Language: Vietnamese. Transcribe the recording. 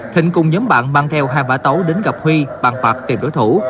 thịnh cùng nhóm bạn mang theo hai bã tấu đến gặp huy bằng phạt tìm đối thủ